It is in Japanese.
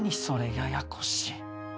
ややこしい。